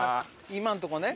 今のとこね。